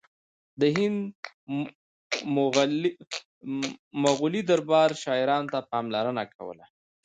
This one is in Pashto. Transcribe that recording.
د هند مغلي دربار شاعرانو ته پاملرنه کوله